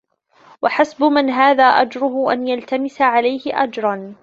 وَحَسْبُ مَنْ هَذَا أَجْرُهُ أَنْ يَلْتَمِسَ عَلَيْهِ أَجْرًا